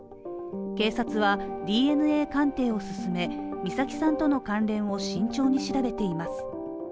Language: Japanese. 警察はＤＮＡ鑑定を進め美咲さんとの関連を慎重に調べています。